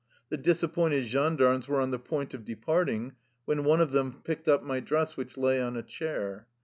The disappointed gendarmes were on the point of departing, when one of them picked up my dress which lay on a chair.